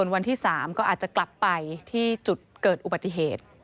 วันที่๓ก็อาจจะกลับไปที่จุดเกิดอุบัติเหตุ